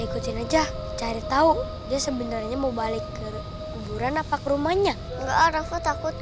ikutin aja cari tahu dia sebenarnya mau balik ke kuburan apa ke rumahnya enggak rafa takut